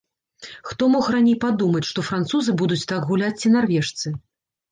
Хто мог раней падумаць, што французы будуць так гуляць ці нарвежцы.